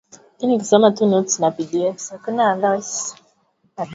Kimeta cha ngozi